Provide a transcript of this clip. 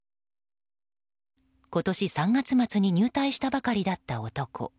今年３月末に入隊したばかりだった男。